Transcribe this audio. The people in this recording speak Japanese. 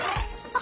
あ！